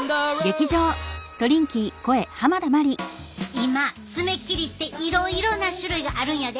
今爪切りっていろいろな種類があるんやで。